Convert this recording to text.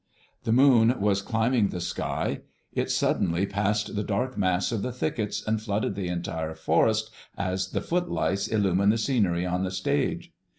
"The moon was climbing the sky. It suddenly passed the dark mass of the thickets and flooded the entire forest as the footlights illumine the scenery on the stage.